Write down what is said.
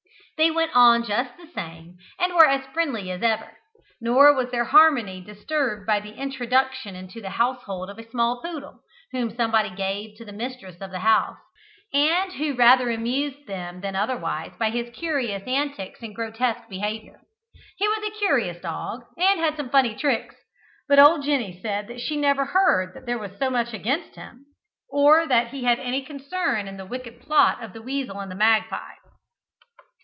They went on just the same, and were as friendly as ever. Nor was their harmony disturbed by the introduction into the household of a small poodle, whom somebody gave to the mistress of the house, and who rather amused them than otherwise by his curious antics and grotesque behaviour. He was a curious dog, and had some funny tricks, but old Jenny said that she never heard that there was much against him, or that he had any concern in the wicked plot of the weasel and the magpie.